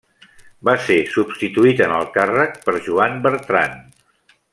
Va ser substituït en el càrrec per Joan Bertran.